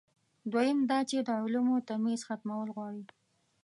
دویم دا چې د علومو تمیز ختمول غواړي.